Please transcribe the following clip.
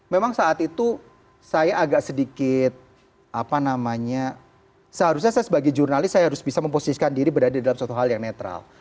memang saat itu saya agak sedikit apa namanya seharusnya saya sebagai jurnalis saya harus bisa memposisikan diri berada dalam suatu hal yang netral